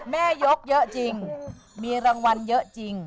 แม่ยกเยอะจริงมีรางวัลเยอะจริง